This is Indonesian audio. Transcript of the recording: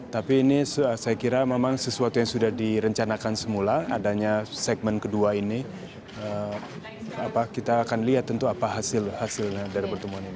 tapi ini saya kira memang sesuatu yang sudah direncanakan semula adanya segmen kedua ini kita akan lihat tentu apa hasilnya dari pertemuan ini